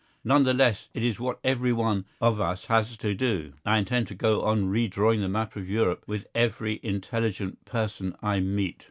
None the less it is what everyone of us has to do. I intend to go on redrawing the map of Europe with every intelligent person I meet.